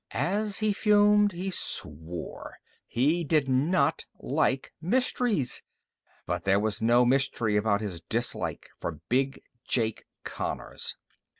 As he fumed, he swore. He did not like mysteries. But there was no mystery about his dislike for Big Jake Connors.